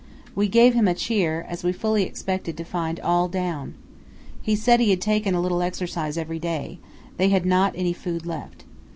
We gave him a cheer, as we fully expected to find all down. He said he had taken a little exercise every day; they had not any food left.